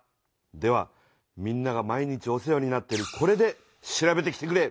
ではみんなが毎日お世話になってるこれで調べてきてくれ。